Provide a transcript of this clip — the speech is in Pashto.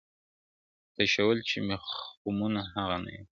تشول چي مي خُمونه هغه نه یم -